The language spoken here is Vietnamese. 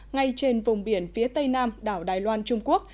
ngay trên vùng biển phía tây nam đảo đài loan trung quốc